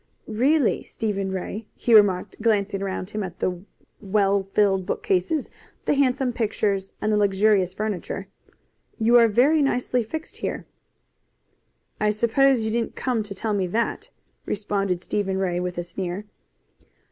"Really, Stephen Ray," he remarked, glancing around him at the well filled bookcases, the handsome pictures, and the luxurious furniture, "you are very nicely fixed here." "I suppose you didn't come to tell me that," responded Stephen Ray with a sneer.